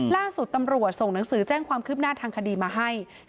ล่าสุดตำรวจส่งหนังสือแจ้งความคืบหน้าทางคดีมาให้